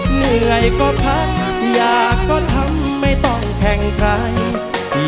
เหนื่อยก็พักอยากก็ทำไม่ต้องแข่งใคร